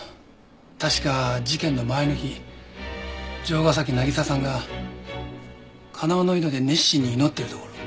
確か事件の前の日城ヶ崎渚さんが鉄輪の井戸で熱心に祈っているところを。